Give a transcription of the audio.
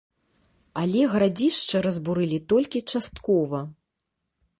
Але гарадзішча разбурылі толькі часткова.